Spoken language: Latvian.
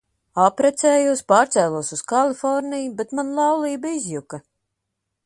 Apprecējos, pārcēlos uz Kaliforniju, bet mana laulība izjuka.